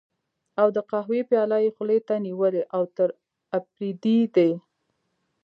او د قهوې پياله یې خولې ته نیولې، اوتر اپرېدی دی.